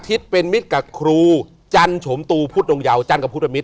อธิษฐ์เป็นมิตรกับคุณจันทร์ชมตูพุทธโนเยากับพุทธอธิษฐ์